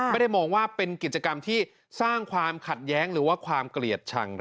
ไม่ได้มองว่าเป็นกิจกรรมที่สร้างความขัดแย้งหรือว่าความเกลียดชัง